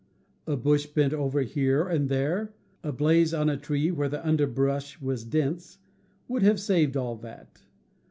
A bush bent over, here and there, a blaze on a tree where the underbrush was dense, would have saved all that.